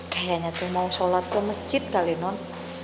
kayaknya tuh mau sholat ke masjid kali non